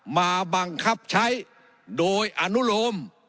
มาบังคับใช้โดยอนุโลม